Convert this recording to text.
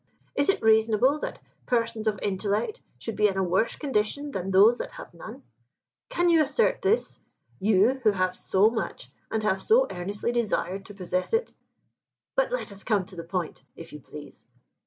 Is it reasonable that persons of intellect should be in a worse condition than those that have none? Can you assert this you who have so much and have so earnestly desired to possess it? But let us come to the point, if you please.